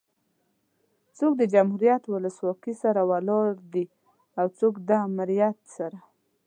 څوک د جمهوريت ولسواکي سره ولاړ دي او څوک ده امريت سره